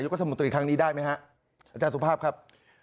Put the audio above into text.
รัฐมนตรีครั้งนี้ได้ไหมฮะอาจารย์สุภาพครับ